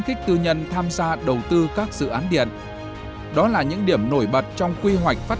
kích tư nhân tham gia đầu tư các dự án điện đó là những điểm nổi bật trong quy hoạch phát